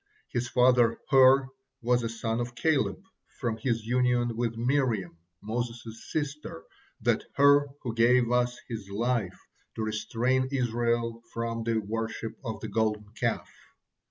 His father Hur was a son of Caleb from his union with Miriam, Moses' sister, that Hur who gave his life to restrain Israel from the worship of the Golden Calf.